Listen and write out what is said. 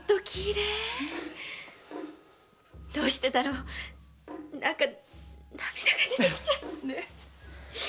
どうしてだろ何か涙が出てきちゃった。